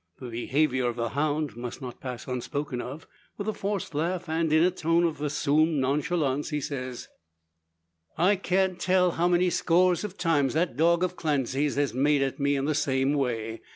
The behaviour of the hound must not pass unspoken of. With a forced laugh, and in a tone of assumed nonchalance, he says: "I can't tell how many scores of times that dog of Clancy's has made at me in the same way.